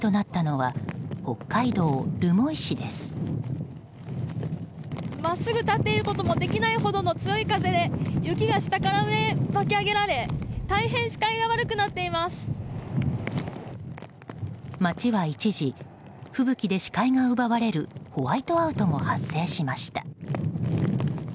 街は一時吹雪で視界が奪われるホワイトアウトも発生しました。